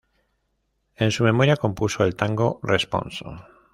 En su memoria compuso el tango "Responso".